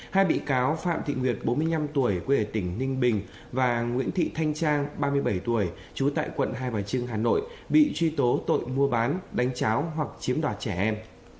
hai bị cáo phạm thị nguyệt bốn mươi năm tuổi quê ở tỉnh ninh bình và nguyễn thị thanh trang ba mươi bảy tuổi trú tại quận hai bà trưng hà nội bị truy tố tội mua bán đánh cháo hoặc chiếm đoạt trẻ em